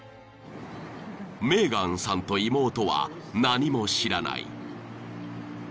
［メーガンさんと妹は何も知らない］